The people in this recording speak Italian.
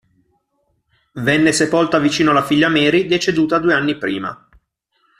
Venne sepolta vicino alla figlia Mary, deceduta due anni prima.